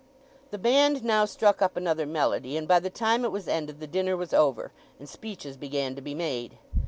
The band now struck up another melody, and by the time it was ended the dinner was over, and speeches began to be made.